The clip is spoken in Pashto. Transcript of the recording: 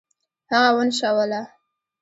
هغه ونشوله.